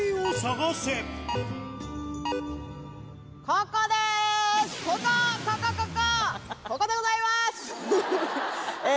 ここでございます。